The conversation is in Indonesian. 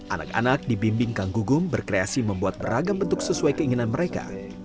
anak anak dibimbing kang gugum berkreasi membuat beragam bentuk sesuai keinginan mereka